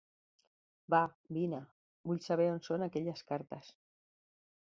Va, vine, vull saber on són aquelles cartes.